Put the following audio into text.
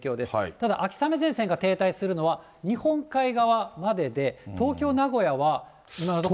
ただ、秋雨前線が停滞するのは日本海側までで、東京、名古屋は今のところ。